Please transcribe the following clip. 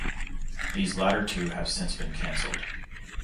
These latter two have since been canceled.